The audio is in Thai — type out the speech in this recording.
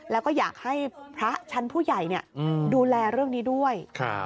แล้วก็อยากให้พระชั้นผู้ใหญ่ดูแลเรื่องนี้ด้วย